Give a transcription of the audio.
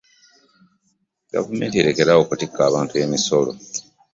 Gavumenti erekere awo okutikka abantu emisolo.